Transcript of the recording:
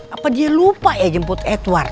apa dia lupa ya jemput edward